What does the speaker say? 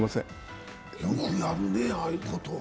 よくやるね、ああいうこと。